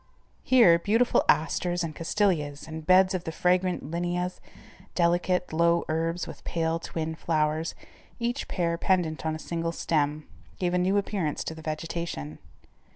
Here, beautiful asters and castilleias, and beds of the fragrant Linneas, delicate, low herbs with pale, twin flowers, each pair pendent on a single stem, gave a new appearance to the vegetation.